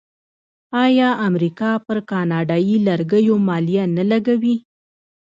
آیا امریکا پر کاناډایی لرګیو مالیه نه لګوي؟